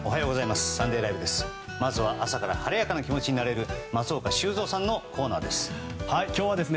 まずは朝から晴れやかな気持ちになれる松岡修造さんのコーナーです。